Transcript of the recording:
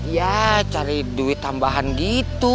ya cari duit tambahan gitu